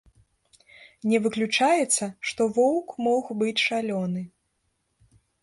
Не выключаецца, што воўк мог быць шалёны.